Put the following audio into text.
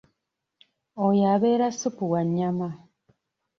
Oyo abeera ssupu wa nnyama.